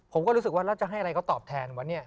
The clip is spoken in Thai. ผมก็รู้สึกว่าแล้วจะให้อะไรเขาตอบแทนวะเนี่ย